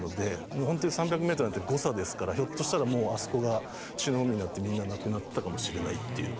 もうホントに３００メートルなんて誤差ですからひょっとしたらもうあそこが血の海になってみんな亡くなってたかもしれないっていう。